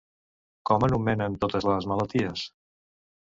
Com anomenen totes les malalties?